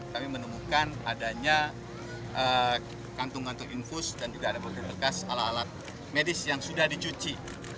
kami menemukan adanya kantung kantung infus dan juga ada beberapa bekas alat alat medis yang sudah dicuci